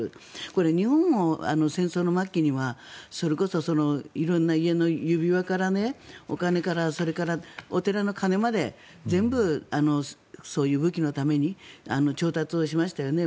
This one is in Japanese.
これ、日本も戦争の末期には色んな家の指輪からお金からそれから、お寺の鐘まで全部そういう武器のために調達をしましたよね。